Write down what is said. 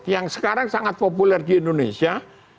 yang sekarang sangat populer di indonesia